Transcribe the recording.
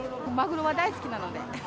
マグロは大好きなので。